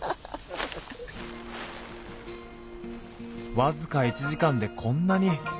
僅か１時間でこんなに。